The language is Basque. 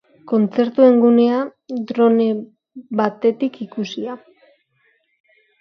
Kontzertuen gunea, drone batetik ikusia.